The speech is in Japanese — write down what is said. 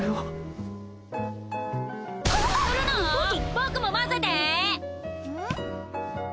僕もまぜて！